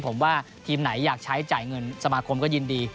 ผมว่าทีมไหนอยากใช้จ่ายเงินสมาคมก็ยินดี